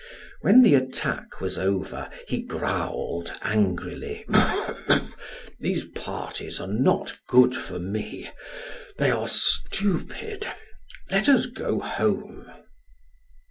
When the attack was over, he growled angrily: "These parties are not good for me; they are stupid. Let us go home."